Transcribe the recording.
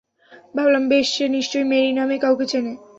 ভাবলাম, বেশ, সে নিশ্চয়ই মেরি নামে কাউকে চেনে।